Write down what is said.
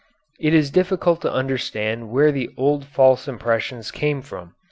It is difficult to understand where the old false impressions came from.